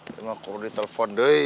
emang kalau ditelepon doi